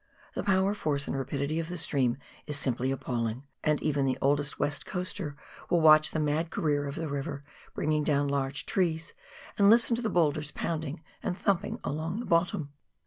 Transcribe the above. The power, force, and rapidity of the stream is simply appalling, and even the oldest West Coaster will watch the mad career of the river, bringing down large trees, and listen to the boulders pounding and thumping along the bottom.